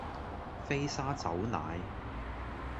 飛砂走奶